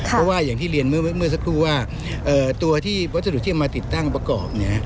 เพราะว่าอย่างที่เรียนเมื่อสักครู่ว่าตัวที่วัสดุที่เอามาติดตั้งประกอบ